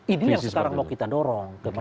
ini yang sekarang mau kita dorong